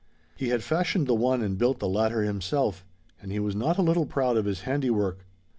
He had fashioned the one and built the latter himself; and he was not a little proud of his handiwork.